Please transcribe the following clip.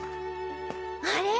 あれ？